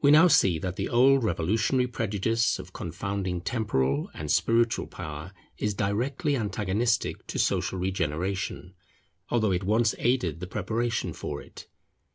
We now see that the old revolutionary prejudice of confounding temporal and spiritual power is directly antagonistic to social regeneration, although it once aided the preparation for it.